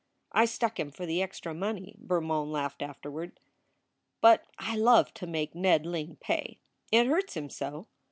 "I stuck him for the extra money," Bermond laughed afterward, "but I love to make Ned Ling pay. It hurts him so.